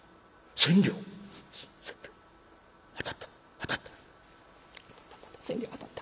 当たった当たった。